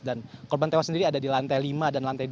dan korban tewas sendiri ada di lantai lima dan lantai dua belas